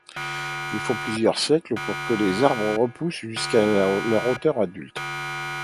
Il faut plusieurs siècles pour que les arbres repoussent jusqu'à leur hauteur adulte.